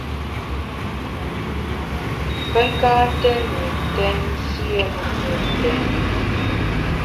Pe ka nté ndun ntèn, nziéme mbùm ntèn e ?